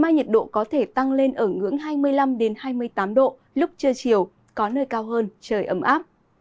nhiệt độ cao nhất ngày là hai mươi năm hai mươi tám độ lúc trưa chiều có nơi cao hơn trời ấm áp